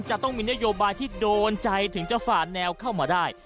จะต้องมีนโยบายที่โดนใจถึงจะฝ่าแนวเข้ามาได้